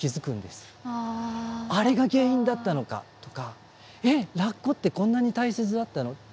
「あれが原因だったのか！」とか「えっラッコってこんなに大切だったの？」。